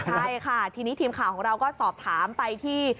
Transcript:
ใช่ค่ะทีนี้ทีมข่าวของเราก็สอบถามไปที่